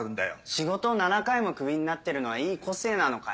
仕事７回もクビになってるのはいい個性なのかよ？